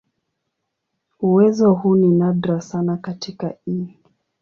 Uwezo huu ni nadra sana katika "E.